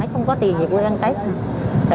không có tiền gì quê ăn tết